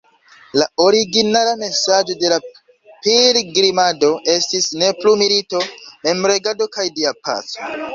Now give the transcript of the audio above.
La originala mesaĝo de la pilgrimado estis "Ne plu milito", "Memregado" kaj "Dia paco".